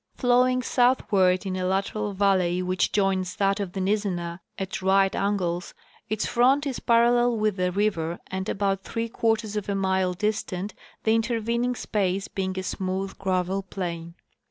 Flowing south ward in a lateral valley which joins that of the Nizzenah at right angles, its front is parallel with the river and about three quar ters of a mile distant, the intervening space being a smooth gravel plain.